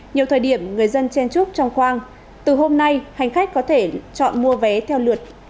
nhiều thời điểm người dân chen trúc trong khoang từ hôm nay hành khách có thể chọn mua vé theo lượt